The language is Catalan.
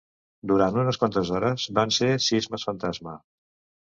Durant unes quantes hores, van ser sismes fantasma.